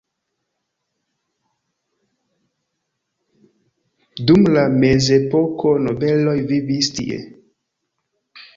Dum la mezepoko nobeloj vivis tie.